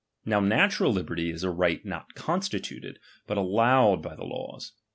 Now natural liberty is a right not constituted, but allowed by the laws.